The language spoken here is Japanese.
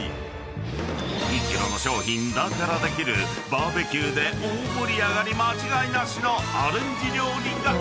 ［２ｋｇの商品だからできるバーベキューで大盛り上がり間違いなしのアレンジ料理が］